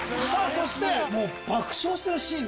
そして爆笑してるシーン